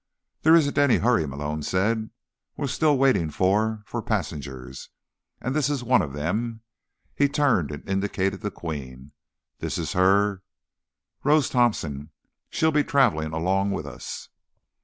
"There isn't any hurry," Malone said. "We're still waiting for—for passengers. And this is one of them." He turned and indicated the Queen. "This is Her—Rose Thompson. She'll be traveling along with us."